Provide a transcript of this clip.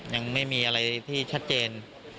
ยังไม่มีอะไรที่ชัดเจน